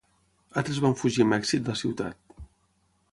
Altres van fugir amb èxit la ciutat.